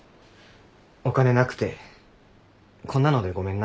お金なくてこんなのでごめんな。